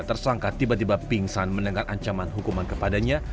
tersangka tiba tiba pingsan mendengar ancaman hukuman kepadanya